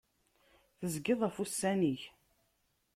Tezgiḍ ɣef ussan-ik.